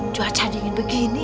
cuaca dingin begini